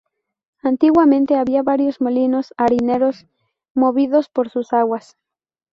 Antiguamente había varios molinos harineros movidos por sus aguas.